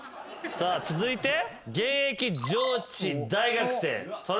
続いて現役上智大学生。